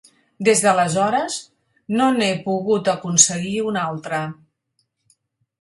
Des d'aleshores, no n'he pogut aconseguir un altre.